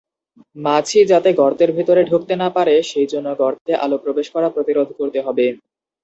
মাছি যাতে গর্তের মধ্যে ঢুকতে না পারে সেই জন্য গর্তে আলো প্রবেশ করা প্রতিরোধ করতে হবে।